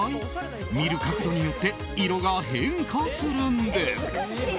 見る角度によって色が変化するんです。